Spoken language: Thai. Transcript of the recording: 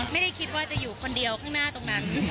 ไม่ได้คิดว่าจะอยู่คนเดียวข้างหน้าตรงนั้น